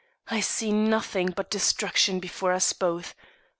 I see nothing but destruction before us both.